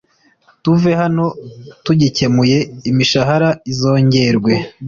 Tuve hano tugikemuye, imishahara izongerwe